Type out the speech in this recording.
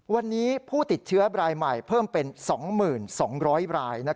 วันนี้ผู้ติดเชื้อรายใหม่เพิ่มเป็น๒๒๐๐ราย